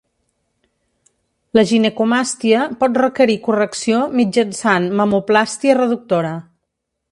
La ginecomàstia pot requerir correcció mitjançant mamoplàstia reductora.